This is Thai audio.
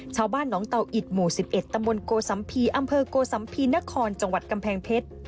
ชาวบ้านน้องเตาอิดหมู่๑๑ตำบลโกสัมภีร์อำเภอโกสัมภีนครจังหวัดกำแพงเพชร